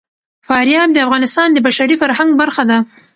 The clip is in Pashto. فاریاب د افغانستان د بشري فرهنګ برخه ده.